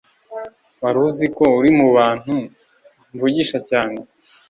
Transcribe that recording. waruziko uri mubantu mvugisha cyane